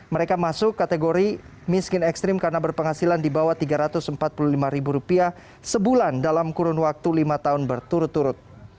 mereka masuk kategori miskin ekstrim karena berpenghasilan di bawah rp tiga ratus empat puluh lima sebulan dalam kurun waktu lima tahun berturut turut